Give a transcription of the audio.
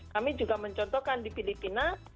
kami juga mencontohkan di filipina